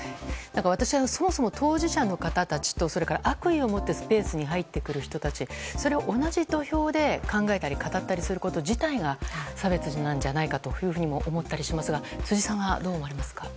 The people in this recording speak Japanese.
私はそもそも当事者の方たちと悪意を持ってスペースに入ってくる人たちそれを同じ土俵で考えたり語ったりすること自体が差別なんじゃないかなとも思ったりしますが辻さんは、どう思われますか。